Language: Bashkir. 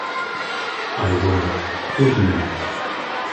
Айбулат түҙмәне.